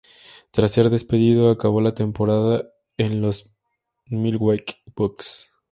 Tras ser despedido, acabó la temporada en los Milwaukee Bucks.